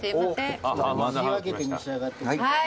切り分けて召し上がってください。